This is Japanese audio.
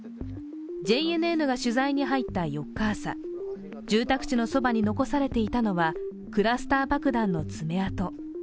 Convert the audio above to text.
ＪＮＮが取材に入った４日朝、住宅地のそばに残されていたのはクラスター爆弾の爪痕。